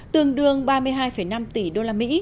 tương đương ba mươi hai năm tỷ usd